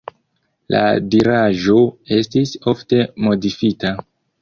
La diraĵo estis ofte modifita.